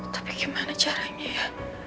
tapi gimana caranya ya